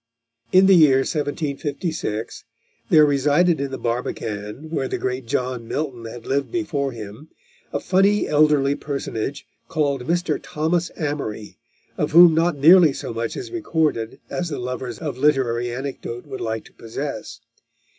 ] In the year 1756, there resided in the Barbican, where the great John Milton had lived before him, a funny elderly personage called Mr. Thomas Amory, of whom not nearly so much is recorded as the lovers of literary anecdote would like to possess.